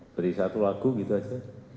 beri satu lagu gitu aja